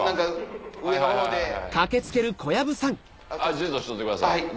じっとしとってください